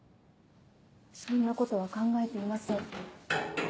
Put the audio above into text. そんなことは考えていません。